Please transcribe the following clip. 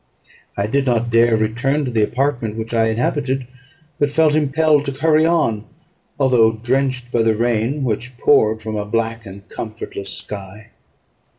I did not dare return to the apartment which I inhabited, but felt impelled to hurry on, although drenched by the rain which poured from a black and comfortless sky.